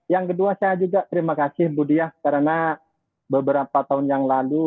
yang kedua saya juga terima kasih bu diah karena beberapa tahun yang lalu